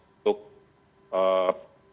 untuk fit yang lebih baik